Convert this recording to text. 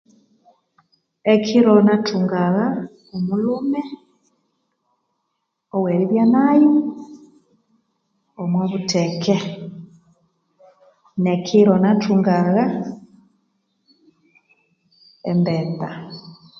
Ekiro nathungagha ah omulhume oweribya nayo omwa butheke nekiro nathungagha ah embeta.